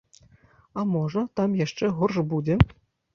А можа, там яшчэ горш будзе?